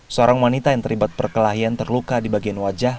seorang wanita yang terlibat perkelahian terluka di bagian wajah